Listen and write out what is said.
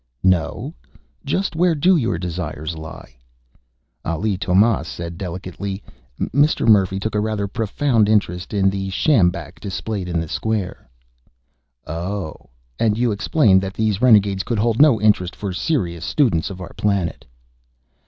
"No? Just where do your desires lie?" Ali Tomás said delicately. "Mr. Murphy took a rather profound interest in the sjambak displayed in the square." "Oh. And you explained that these renegades could hold no interest for serious students of our planet?"